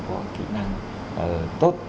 có kỹ năng tốt